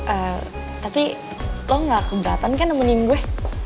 eh tapi lo gak keberatan kan nemenin gue